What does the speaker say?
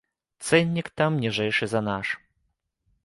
Цэннік там ніжэйшы за наш.